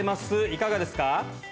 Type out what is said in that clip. いかがですか？